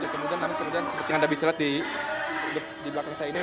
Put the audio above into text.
kemudian namun kemudian seperti yang anda bisa lihat di belakang saya ini